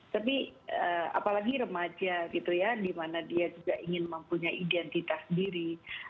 tapi apalagi remaja gitu ya di mana dia juga ingin mempunyai identitas diri